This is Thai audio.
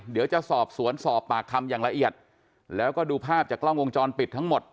เดี๋ยวจะสอบสวนสอบปากคำอย่างละเอียดแล้วก็ดูภาพจากกล้องวงจรปิดทั้งหมด